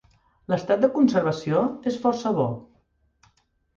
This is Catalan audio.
L'estat de conservació es força bo.